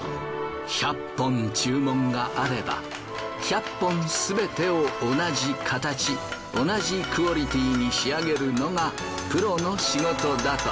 １００本注文があれば１００本すべてを同じ形同じクオリティーに仕上げるのがプロの仕事だと。